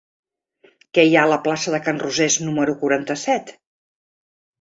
Què hi ha a la plaça de Can Rosés número quaranta-set?